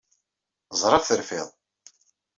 Ẓriɣ terfiḍ.